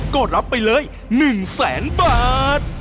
ก็รับไปเลย๑แสนบาท